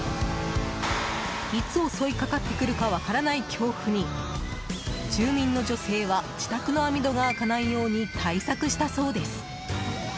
いつ襲いかかってくるか分からない恐怖に住民の女性は自宅の網戸が開かないように対策したそうです。